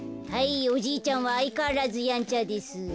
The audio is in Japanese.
はいおじいちゃんはあいかわらずやんちゃです。